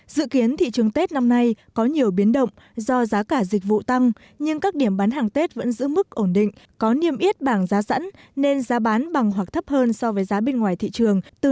dự kiến thị trường tết năm nay có nhiều biến động do giá cả dịch vụ tăng nhưng các điểm bán hàng tết vẫn giữ mức ổn định có niêm yết bảng giá sẵn nên giá bán bằng hoặc thấp hơn so với giá bên ngoài thị trường